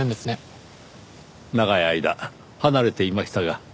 長い間離れていましたが。